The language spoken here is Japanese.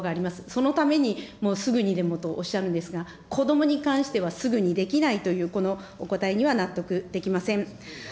そのためにもうすぐにでもとおっしゃるんですが、子どもに関してはすぐにできないというこのお答えには納得できません。